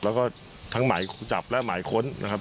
แล้วก็ทั้งหมายจับและหมายค้นนะครับ